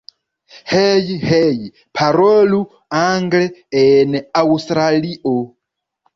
Hej! Hej! Parolu angle en Aŭstralio!